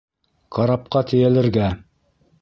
— Карапҡа тейәлергә!